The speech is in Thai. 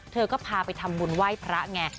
เธอก็พาไปทำบุญไหว้พระไง